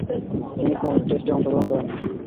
তিনি কোন টেস্টে অংশগ্রহণ করেননি।